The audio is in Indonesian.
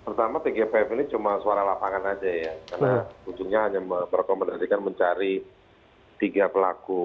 pertama tgpf ini cuma suara lapangan aja ya karena ujungnya hanya merekomendasikan mencari tiga pelaku